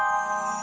kali ini terjadi